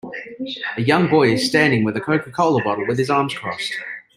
A young boy is standing with a CocaCola bottle with his arm crossed.